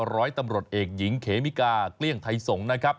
ร้อยตำรวจเอกหญิงเขมิกาเกลี้ยงไทยสงศ์นะครับ